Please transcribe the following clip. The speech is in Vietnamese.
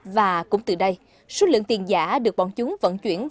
và cũng từ đây số lượng tiền giả được bọn chúng vận chuyển